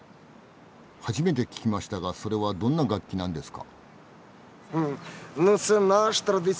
初めて聞きましたがそれはどんな楽器なんですか？